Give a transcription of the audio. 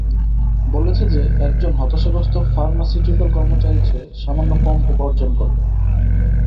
বলেছে যে, একজন হতাশাগ্রস্ত ফার্মাসিউটিক্যাল কর্মচারীর চেয়ে সামান্য কম উপার্জন করবো।